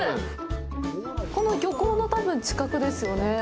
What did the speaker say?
この漁港の多分近くですよね。